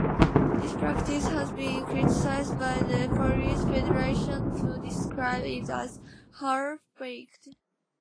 This practice has been criticised by the Police Federation who described it as "half-baked".